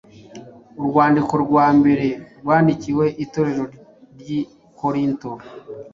Urwandiko rwa mbere rwandikwe Itorero ry’i Korinto